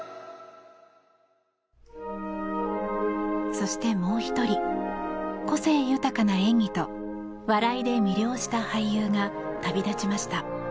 そして、もう１人個性豊かな演技と笑いで魅了した俳優が旅立ちました。